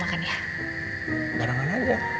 ekspresinya aku ngomong sama kamu kamu cokin aku